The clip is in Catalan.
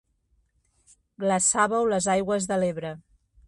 Glaçàveu les aigües de l'Ebre.